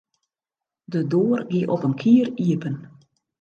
De doar gie op in kier iepen.